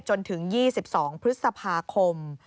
จนถึง๒๒พฤษภาคม